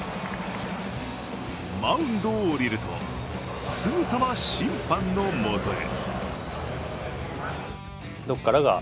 マウンドを降りるとすぐさま審判の元へ。